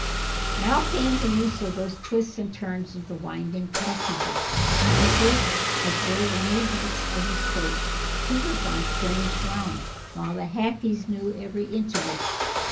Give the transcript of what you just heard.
Now came the use of those twists and turns of the winding passages. Swift as were the movements of the Stoat, he was on strange ground, while the Hackees knew every inch of it.